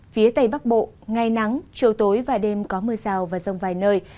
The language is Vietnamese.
phía tây bắc bộ ngày nắng chiều tối và đêm có mưa rào và rông vài nơi